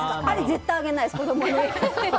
あれ絶対あげないです。